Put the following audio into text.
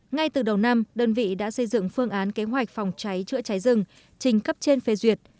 ngay từ đầu năm đơn vị đã xây dựng phương án kế hoạch phòng cháy chữa cháy rừng trình cấp trên phê duyệt